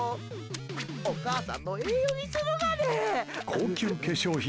お母さんの栄養にするがね！